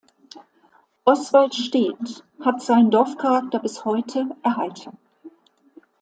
Oswald steht, hat seinen Dorfcharakter bis heute erhalten.